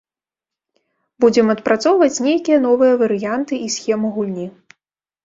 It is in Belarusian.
Будзем адпрацоўваць нейкія новыя варыянты і схемы гульні.